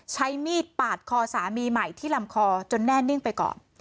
ใช้มีดปาดคอสามีใหม่ที่ลำคอจนแน่นิ่งไปก่อน